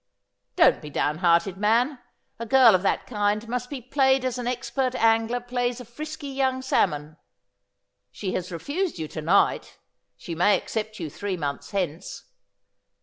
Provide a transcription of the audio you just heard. ' Don't be down hearted, man. A girl of that kind must be played as an expert angler plays a frisky young salmon. She has refused you to night ; she may accept you three months hence.'